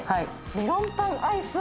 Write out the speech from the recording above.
メロンパンアイス！